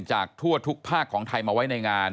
จากทั่วทุกภาคของไทยมาไว้ในงาน